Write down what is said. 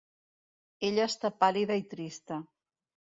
Ella està pàl·lida i trista.